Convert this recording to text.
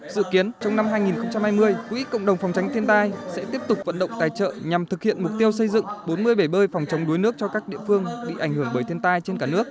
dự kiến trong năm hai nghìn hai mươi quỹ cộng đồng phòng tránh thiên tai sẽ tiếp tục vận động tài trợ nhằm thực hiện mục tiêu xây dựng bốn mươi bể bơi phòng chống đuối nước cho các địa phương bị ảnh hưởng bởi thiên tai trên cả nước